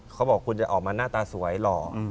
เขาบอกคุณจะออกมาหน้าตาสวยหล่อ